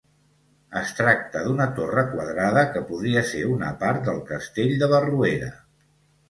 Es tracta d'una torre quadrada que podria ser una part del castell de Barruera.